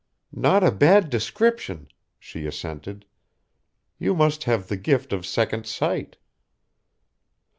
"Not a bad description," she assented; "you must have the gift of second sight."